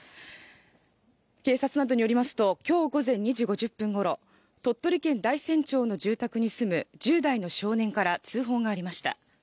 警察などによりますと、きょう午前２時５０分ごろ、鳥取県大山町の住宅に住む１０代の少年から通報がありました。